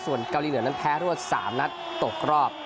ส่วนเกาหลีเหนือนั้นแพ้รวด๓นัดตกรอบ